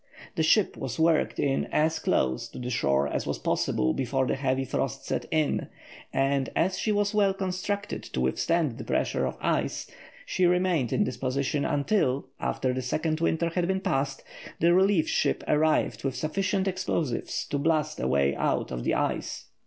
The ship was worked in as close to the shore as was possible before the heavy frost set in, and, as she was well constructed to withstand the pressure of ice, she remained in this position until, after the second winter had been passed, the relief ship arrived with sufficient explosives to blast a way out of the ice.